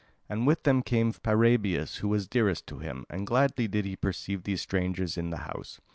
And with them came Paraebius, who was dearest to him, and gladly did he perceive these strangers in the house.